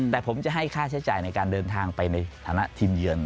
แต่ผมจะให้ค่าใช้จ่ายในการเดินทางไปในฐานะทีมเยือน